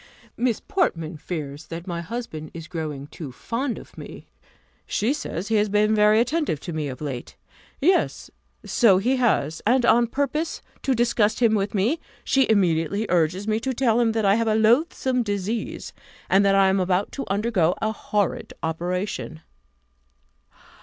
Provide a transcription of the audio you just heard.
"Miss Portman fears that my husband is growing too fond of me: she says, he has been very attentive to me of late. Yes, so he has; and on purpose to disgust him with me, she immediately urges me to tell him that I have a loathsome disease, and that I am about to undergo a horrid operation.